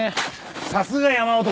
さすが山男。